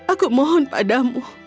aku mohon padamu